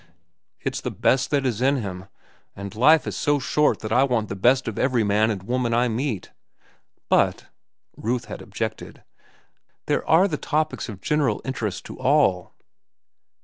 It's the best that is in him, and life is so short that I want the best of every man and woman I meet." "But," Ruth had objected, "there are the topics of general interest to all."